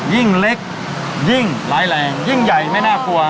ยิ่งเล็กยิ่งร้ายแรงยิ่งใหญ่ไม่น่ากลัว